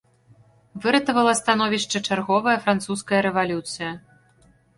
Выратавала становішча чарговая французская рэвалюцыя.